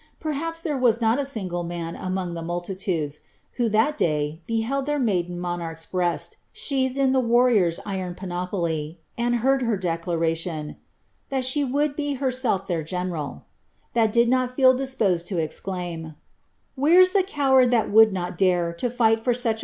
Perhaps ihere »a not a single man among the multitudes, who that day beheld their maiden monarch's breast sheathed in the warrior's iron panoplv. aaJ heard her declaration, " that she would be herself their general," ii»' did not feel disposed lo exclaim — To fight for such d qiicen?" KLIIABBTH.